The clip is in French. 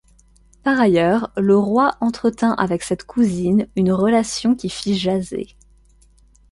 Par ailleurs, le roi entretint avec cette cousine une relation qui fit jaser.